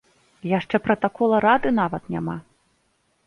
Яшчэ пратакола рады нават няма!